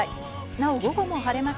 なお午後も晴れま